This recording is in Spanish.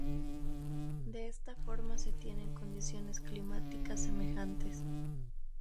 De esta forma se tienen condiciones climáticas semejantes.